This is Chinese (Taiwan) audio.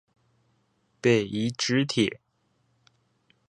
北宜直鐵